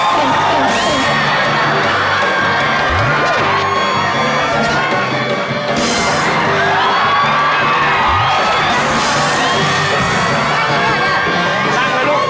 ช่างเหมือนลูก